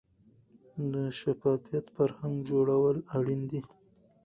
د شفافیت فرهنګ جوړول اړین دي